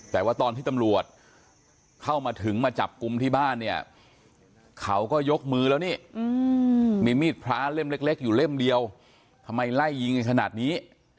แต่ว่าตอนที่ตำรวจเข้ามาถึงมาจับกลุ่มที่บ้านเนี่ยเขาก็ยกมือแล้วนี่มีมีดพระเล่มเล็กอยู่เล่มเดียวทำไมไล่ยิงกันขนาดนี้